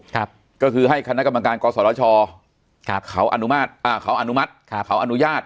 ก็คือให้คณะกรรมการกฎสวทชเขาอนุมัติเขาอนุญาต